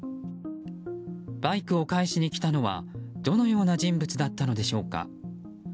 バイクを返しに来たのはどのような人物だったのでしょうか。